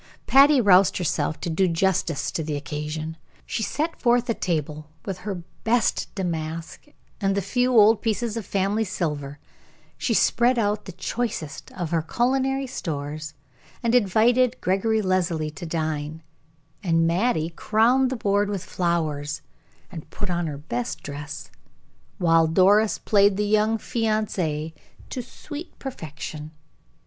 Patty roused herself to do justice to the occasion. She set forth a table with her best damask and the few old pieces of family silver; she spread out the choicest of her culinary stores, and invited Gregory Leslie to dine, and Mattie crowned the board with flowers, and put on her best dress, while Doris played the young fiancee to sweet perfection.